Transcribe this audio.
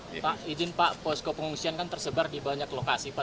pak izin pak posko pengungsian kan tersebar di banyak lokasi pak